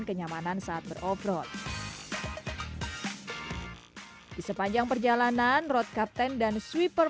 kenyamanan saat beroproad di sepanjang perjalanan road captain dan sweeper